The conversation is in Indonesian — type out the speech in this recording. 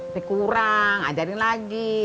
tapi kurang ajarin lagi